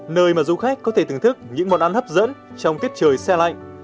nơi mà du khách có thể thưởng thức những món ăn hấp dẫn trong tiết trời xe lạnh